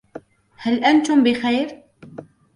هل أنتم بخير؟